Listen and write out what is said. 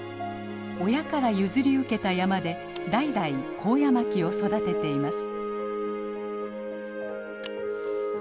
親から譲り受けた山で代々コウヤマキを育てています。